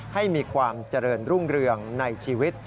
ให้มีความเจริญรุ่งเรืองในชีวิต